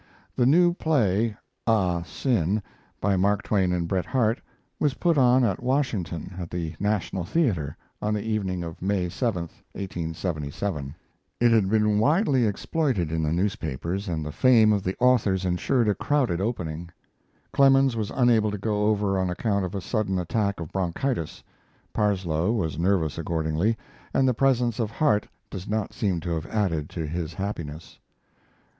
The new play, "Ah Sin," by Mark Twain and Bret Harte, was put on at Washington, at the National Theater, on the evening of May 7, 1877. It had been widely exploited in the newspapers, and the fame of the authors insured a crowded opening. Clemens was unable to go over on account of a sudden attack of bronchitis. Parsloe was nervous accordingly, and the presence of Harte does not seem to have added to his happiness.